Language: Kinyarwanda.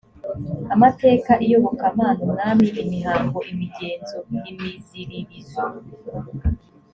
amateka iyobokamana umwami imihango imigenzo imiziririzo